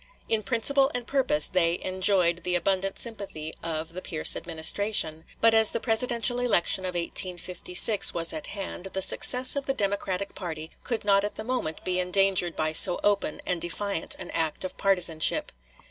In principle and purpose they enjoyed the abundant sympathy of the Pierce Administration; but as the presidential election of 1856 was at hand, the success of the Democratic party could not at the moment be endangered by so open and defiant an act of partisanship.